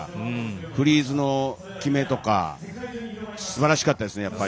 フリーズの決めとかすばらしかったですね、やっぱり。